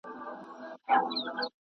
وزیران به ټولو ته برابر حقونه ورکوي.